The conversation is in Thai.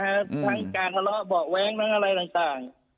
ทั้งการทะเลาะเบาะแว้งทั้งอะไรต่าง